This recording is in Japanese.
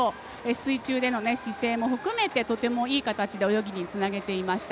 水中での姿勢も含めてとてもいい形で泳ぎにつなげていました。